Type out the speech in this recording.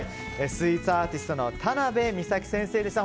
スイーツアーティストの田邉美佐紀先生でした。